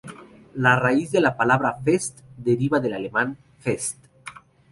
La raíz de la palabra "Fest" deriva del alemán "fest".